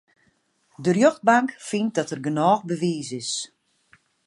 De rjochtbank fynt dat der genôch bewiis is.